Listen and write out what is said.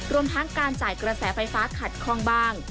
รวมทั้งการจ่ายกระแสไฟฟ้าขัดคล่องบ้าง